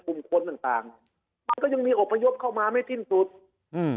กลุ่มคนต่างต่างมันก็ยังมีอพยพเข้ามาไม่สิ้นสุดอืม